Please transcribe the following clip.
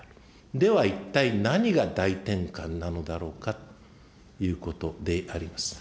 では一体何が大転換なのだろうかということであります。